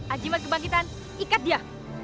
ajimat kebangkitan ikat dia